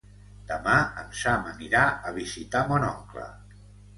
Demà en Sam anirà a visitar mon oncle.